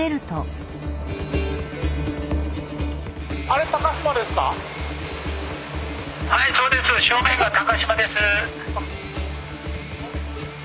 あれ高島ですか？